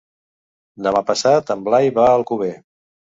Demà passat en Blai va a Alcover.